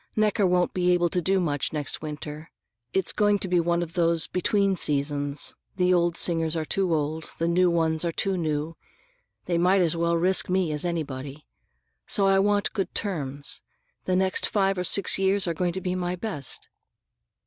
Necker won't be able to do much next winter. It's going to be one of those between seasons; the old singers are too old, and the new ones are too new. They might as well risk me as anybody. So I want good terms. The next five or six years are going to be my best."